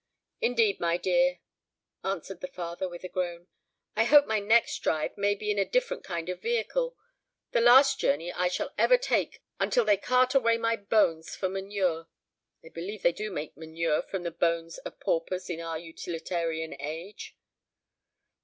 "Indeed, my dear," answered her father with a groan; "I hope my next drive may be in a different kind of vehicle the last journey I shall ever take, until they cart away my bones for manure. I believe they do make manure from the bones of paupers in our utilitarian age."